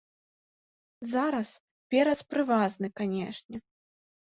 Зараз перац прывазны, канешне.